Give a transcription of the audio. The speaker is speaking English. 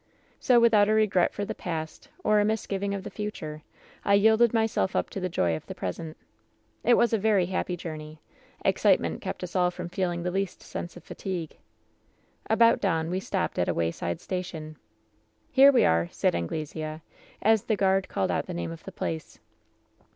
"So, without a regret for the past, or a misgiving of the future, I yielded myself up to the joy of the present. "It was a very happy journey. Excitement kept us all from feeling the least sense of fatigue. "About dawn we stopped at a wayside station. " ^Here we are,^ said Anglesea, as the guard called out the name of the place.